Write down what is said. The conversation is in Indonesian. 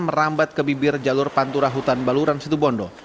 merambat ke bibir jalur pantura hutan baluran situbondo